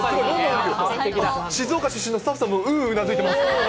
静岡出産のスタッフさんもうんうんうなずいています。